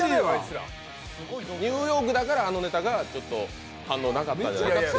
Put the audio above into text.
ニューヨークだからあのネタがちょっと反応なかった。